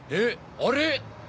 あれ？